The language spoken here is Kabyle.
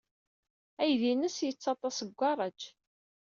Aydi-nnes yettaḍḍas deg ugaṛaj.